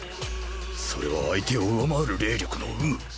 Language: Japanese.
それは相手を上回る霊力の有無！